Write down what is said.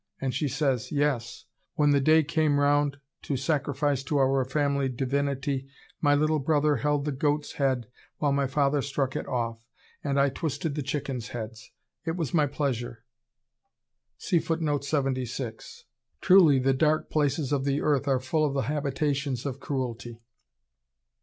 And she says, 'Yes; when the day came round to sacrifice to our family divinity my little brother held the goat's head while my father struck it off, and I twisted the chickens' heads. It was my pleasure.'" Truly, "the dark places of the earth are full of the habitations of cruelty!"